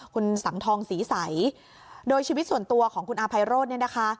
คุณสังทองศรีใสโดยชีวิตส่วนตัวของคุณอาภัยโรธเนี่ยนะคะ